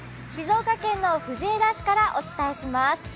静岡県の藤枝市からお伝えします。